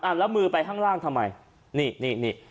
แล้วมือไปข้างล่างทำไมนี่นี่